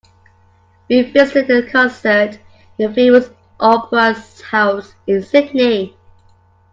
We visited a concert in the famous opera house in Sydney.